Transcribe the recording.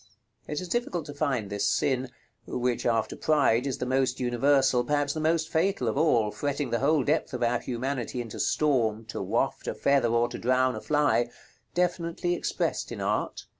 It is difficult to find this sin, which, after Pride, is the most universal, perhaps the most fatal, of all, fretting the whole depth of our humanity into storm "to waft a feather or to drown a fly," definitely expressed in art.